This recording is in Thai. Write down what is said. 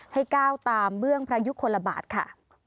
ให้ก้าวตามเบื้องพระยุคลบาทค่ะ